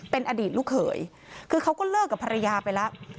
เป็นอดีตลูกเขยคือเขาก็เลิกกับภรรยาไปแล้ว